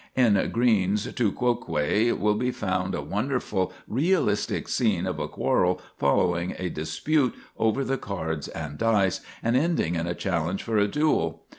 In "Greene's Tu Quoque" will be found a wonderfully realistic scene of a quarrel following a dispute over the cards and dice, and ending in a challenge for a duel.